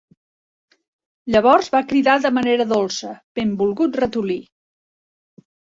Llavors va cridar de manera dolça: "Benvolgut ratolí!".